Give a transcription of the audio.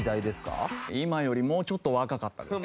今よりもうちょっと若かったです。